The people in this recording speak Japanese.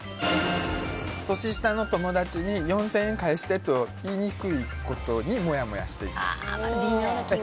年下の友達に４０００円返してと言いにくいことにもやもやしています。